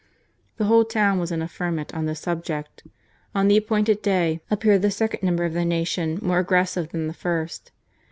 The whole town was in a ferment on this subject. On the appointed day appeared the second number of the Nacion more aggressive than the first.